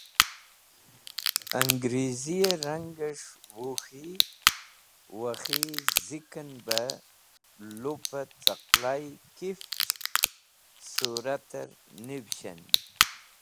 Ẽngriziyẽ rangẽs̃h Wuk̃hi/Wakhi zikẽn bẽ lupẽt caqlay kifch suratẽr nivishen.